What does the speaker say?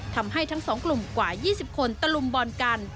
ทำให้ทั้งสองกลุ่มกว่า๒๐คนตะลุมบอลกัน